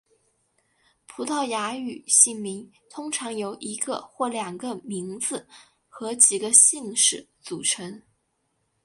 葡萄牙语姓名通常由一个或两个名字和几个姓氏组成。